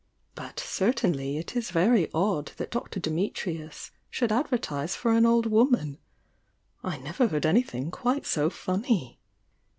But certainly it is very odd tliat Dr. Dimitrius should advertise for an old "^^^l ^^^"'^' '^^^'■d anything quite so funny!"